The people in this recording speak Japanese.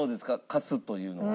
貸すというのは。